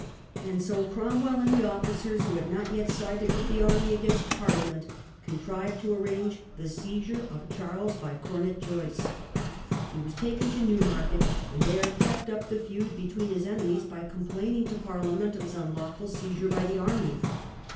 And so Cromwell and the officers, who had not yet sided with the army against Parliament, contrived to arrange the seizure of Charles by Comet Joyce. He was taken to Newmarket, and there kept up the feud between his enemies by complaining to Parliament of his unlawful seizure by the army.